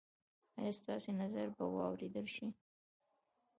ایا ستاسو نظر به واوریدل شي؟